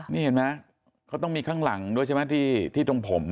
นี่เห็นไหมเขาต้องมีข้างหลังด้วยใช่ไหมที่ตรงผม